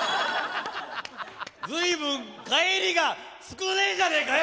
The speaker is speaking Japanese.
随分返りが少ねえじゃねえかよ